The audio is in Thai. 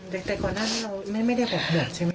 เด็กก่อนหน้าเราไม่ได้บอกเหนือใช่ไหม